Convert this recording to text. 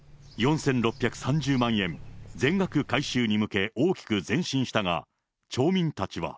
４６３０万円全額回収に向け、大きく前進したが、町民たちは。